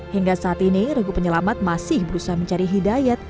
hingga saat ini regu penyelamat masih berusaha mencari hidayat